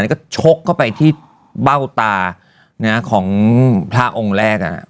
ก็ให้กระโบดูกเข้าไปที่เบ้าตาของพระองค์แรก